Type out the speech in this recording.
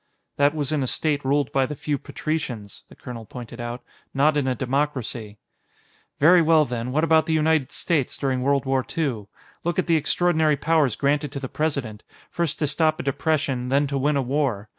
"That was in a state ruled by the few patricians," the colonel pointed out, "not in a democracy." "Very well, then; what about the United States, during World War II? Look at the extraordinary powers granted to the President first to stop a depression, then to win a war.